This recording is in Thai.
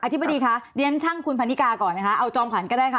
อธิบดีครับฉั้นช่างคุณธนิกาก่อนดีแล้วเอาจอมถันก็ได้ครับ